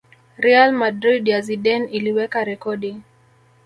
Real Madrid ya Zidane iliweka rekodi